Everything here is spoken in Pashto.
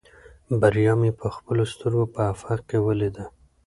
بریا مې په خپلو سترګو په افق کې ولیده.